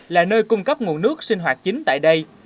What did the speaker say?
là nơi cung cấp nguồn nước sinh hoạt chính tại đây